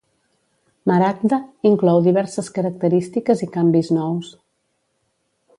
"Maragda" inclou diverses característiques i canvis nous.